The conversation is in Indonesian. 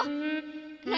nunggu di jalan ya